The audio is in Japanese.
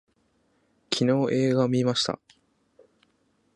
昨日映画を見ました